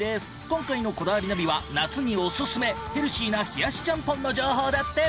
今回の『こだわりナビ』は夏にオススメヘルシーな冷やしちゃんぽんの情報だって！